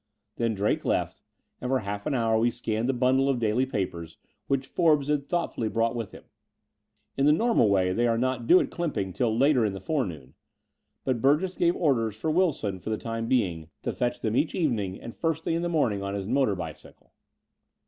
Then Drake left ; and for half an hour we scanned the bundle of daily papers, which Forbes had thoughtfully brought with him. In the normal way they are not due at Clymping till later in the forenoon: but Burgess gave orders for Wil son, for the time being, to fetch them each 88 The Door of the Unreal evening and first thing in the morning on his motor bicyde.